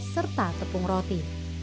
serta tepung roti